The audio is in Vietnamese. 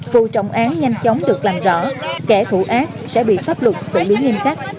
phụ trọng án nhanh chóng được làm rõ kẻ thủ ác sẽ bị pháp luật xử lý nghiêm khắc